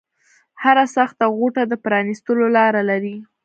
هره سخته غوټه د پرانیستلو لاره لري